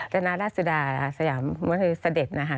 จนาราศดาสยามวัฒนศเด็กนะฮะ